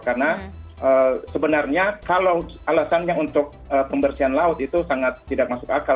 karena sebenarnya kalau alasannya untuk pembersihan laut itu sangat tidak masuk akal